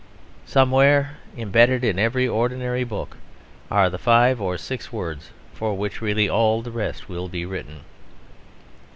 Somewhere embedded in every ordinary book are the five or six words for which really all the rest will be written.